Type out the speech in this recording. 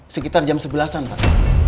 sekitar jam sebelas an pak